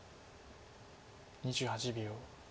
２８秒。